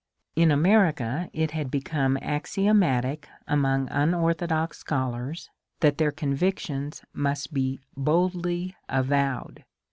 In America it had become axiomatic among unorthodox scholars that their convictions must be boldly avowed.